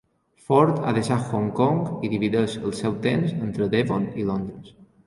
Ford ha deixat Hong Kong i divideix el seu temps entre Devon i Londres.